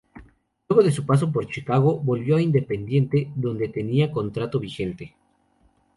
Luego de su paso por Chicago, volvió a Independiente, donde tenía contrato vigente.